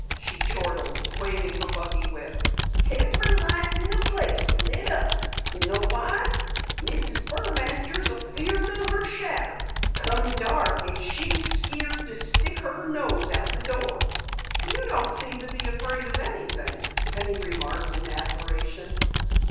she chortled, waving her buggy whip. "Every light in the place lit up! Know why? Mrs. Burmaster's afeared o' her shadder. Come dark and she's skeared to stick her nose out the door." "You don't seem to be afraid of anything," Penny remarked in admiration.